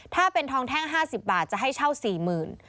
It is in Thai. ถ้าเป็นท้องแท่งห้าสิบบาทจะให้เช่าสี่หมื่น